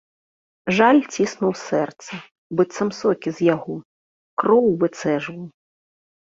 Жаль ціснуў сэрца, быццам сокі з яго, кроў выцэджваў.